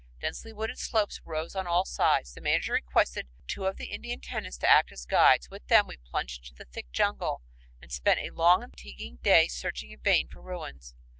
Densely wooded slopes rose on all sides. The manager requested two of the Indian tenants to act as guides. With them, we plunged into the thick jungle and spent a long and fatiguing day searching in vain for ruins.